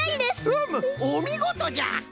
うむおみごとじゃ！